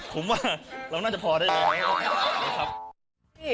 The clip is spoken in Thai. ผมว่าน่าจะพอได้ไหม